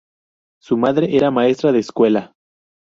Su madre era maestra de escuela.